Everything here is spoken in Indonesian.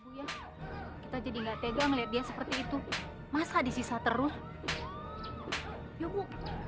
kita jadi nggak tega melihat dia seperti itu masa disisa terus ya bu